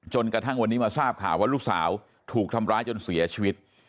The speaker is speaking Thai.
จนกระทั่งวันนี้มาทราบข่าวว่าลูกสาวถูกทำร้ายจนเสียชีวิต